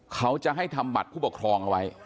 เขาจะให้ทำบัตรผู้ปกครองเอาไว้